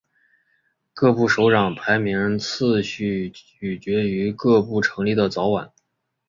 各部首长排名次序取决于各部成立的早晚。